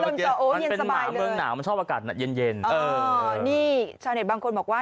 มันเป็นหมาเมืองหนาวมันชอบอากาศเย็นเย็นเออนี่ชาวเน็ตบางคนบอกว่า